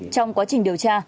trong quá trình điều tra